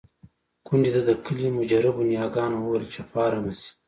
کونډې ته د کلي مجربو نياګانو وويل چې خواره مه شې.